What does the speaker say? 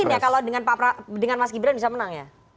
mungkin ya kalau dengan mas gibran bisa menang ya